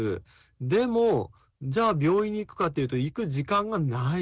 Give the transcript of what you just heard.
でもじゃあ病院に行くかというと行く時間がない。